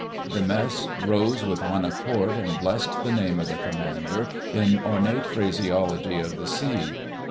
The Mess rose with one accord and blessed the name of the Commander in ornate phraseology of the Sea.